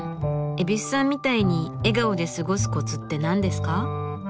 蛭子さんみたいに笑顔で過ごすコツって何ですか？